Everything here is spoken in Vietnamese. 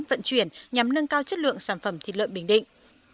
vận chuyển nhằm nâng cao chất lượng sản phẩm thịt lợn bình định